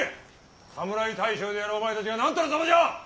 侍大将であるお前たちが何たるざまじゃ！